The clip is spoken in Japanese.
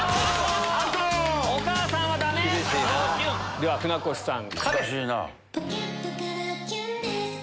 では船越さん。